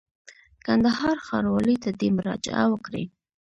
کندهار ښاروالۍ ته دي مراجعه وکړي.